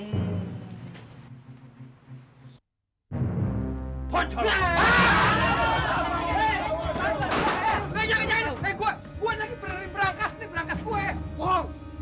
ini berangkas nih berangkas gue